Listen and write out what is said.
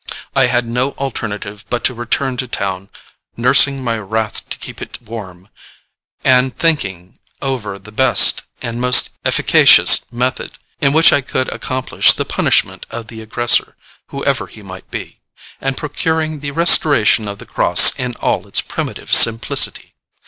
I had no alternative but to return to town, 'nursing my wrath to keep it warm,' and thinking over the best and most efficacious method in which I could accomplish the punishment of the aggressor, whoever he might be, and procuring the restoration of the cross in all its primitive simplicity.